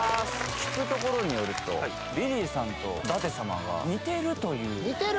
聞くところによるとリリーさんと舘様が似てるという似てる？